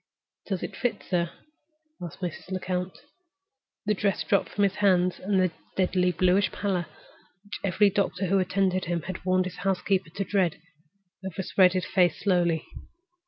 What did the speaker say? "Does it fit, sir?" asked Mrs. Lecount. The dress dropped from his hands, and the deadly bluish pallor—which every doctor who attended him had warned his housekeeper to dread—overspread his face slowly.